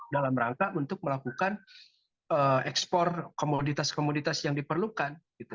dalam rangka untuk melakukan ekspor komoditas komoditas yang diperlukan